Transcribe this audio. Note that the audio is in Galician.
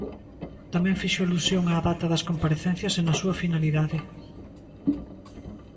Tamén fixo alusión á data das comparecencias e na súa finalidade.